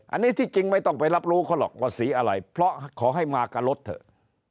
อันนี้ที่จริงไม่ต้องไปรับรู้เขาหรอกว่าสีอะไรเพราะขอให้มากับรถเถอะ